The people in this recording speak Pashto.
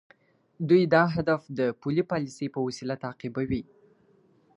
دوی دا هدف د پولي پالیسۍ په وسیله تعقیبوي.